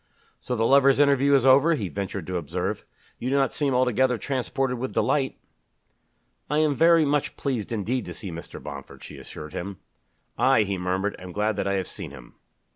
"So the lovers' interview is over!" he ventured to observe. "You do not seem altogether transported with delight." "I am very much pleased indeed to see Mr. Bomford," she assured him. "I," he murmured, "am glad that I have seen him."